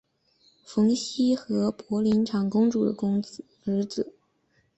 冯熙和博陵长公主的儿子。